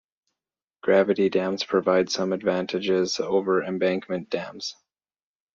Gravity dams provide some advantages over embankment dams.